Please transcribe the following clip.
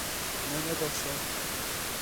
Me nebexşand.